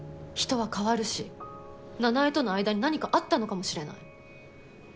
人は変わるし奈々江との間に何かあったのかもしれない。